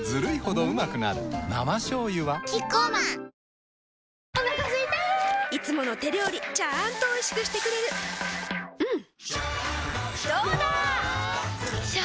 生しょうゆはキッコーマンお腹すいたいつもの手料理ちゃんとおいしくしてくれるジューうんどうだわ！